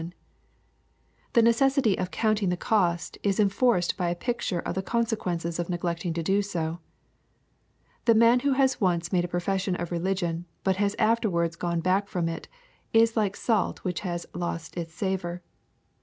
170 EXPOSITOIIY THOUGHTS. The necessity of "counting the cost" is enforced by a picture of the consequences of neglecting to do so. The man who has once made a profession of religion, but has afterwards gone back from it, is like salt which has "lost its savor.''